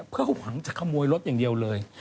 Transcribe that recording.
เพื่อหวังจะขโมยรถอย่างเดียวเลย